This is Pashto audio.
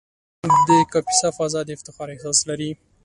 د کاپیسا فضا د افتخار احساس لري.